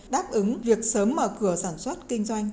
đáp ứng việc sớm mở cửa sản xuất kinh doanh